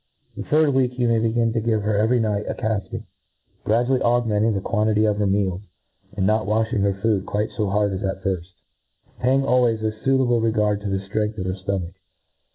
The third week, yw may begin to. give her every night a eafting, gradually augmenting th? ^quantity of her meals, and not waihing her food quite fo hard as ^ firft, paying always a fuitable , regard to the ftrength of her ftomach.